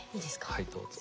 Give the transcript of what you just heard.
はいどうぞ。